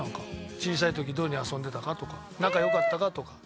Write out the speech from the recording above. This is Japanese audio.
小さい時どういうふうに遊んでたかとか仲良かったかとか。